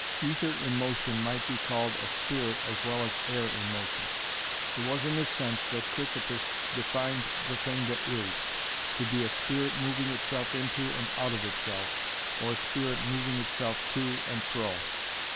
Aether in motion might be called a 'spirit' as well as air in motion. It was in this sense that Chrysippus defined the thing that is, to be a spirit moving itself into and out of itself, or spirit moving itself to and fro.